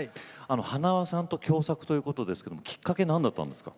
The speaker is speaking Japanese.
はなわさんと共作ということですがきっかけは何だったんですか。